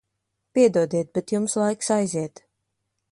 Piedodiet, bet jums laiks aiziet.